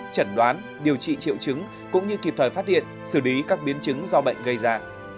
chẩn đoán điều trị triệu chứng cũng như kịp thời phát hiện xử lý các biến chứng do bệnh gây ra